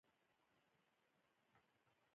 زه کښته ولاړم او د ټکسي والا کرایه مي ورکړه.